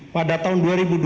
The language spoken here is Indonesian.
pada tahun dua ribu dua puluh